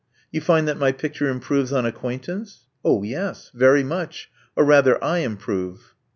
You find that my picture improves on ac quaintance?" Oh, yes! Very much. Or rather I improve."